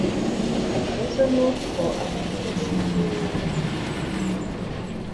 Ikibazo nuko abantu bose batinya kuvugana na Tom.